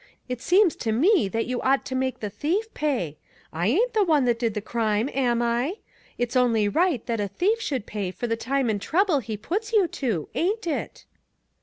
It seems to me, that you ought to make the thief pay. I ain't the one that did the crime, am I? It's only right that a thief should pay for the time and trouble he puts you to, ain't it?"